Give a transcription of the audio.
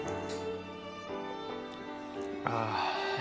ああ。